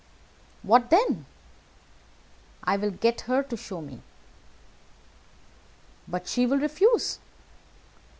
"What then?" "I will get her to show me." "But she will refuse."